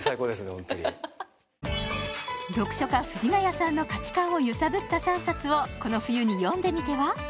ホントに読書家藤ヶ谷さんの価値観を揺さぶった３冊をこの冬に読んでみては？